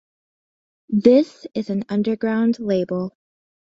This is an underground label.